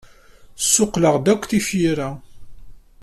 Ssuqqleɣ-d akk tifyar-a.